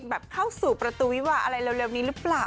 เข้าสู่ประตูวิวาอะไรเร็วนี้หรือเปล่า